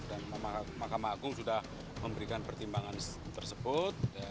dan mahkamah agung sudah memberikan pertimbangan tersebut